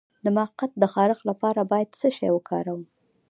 د مقعد د خارښ لپاره باید څه شی وکاروم؟